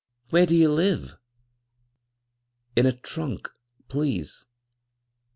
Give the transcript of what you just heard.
Where do ye live ?"^" In a trunk, please."